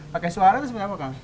pakai suara atau seperti apa kang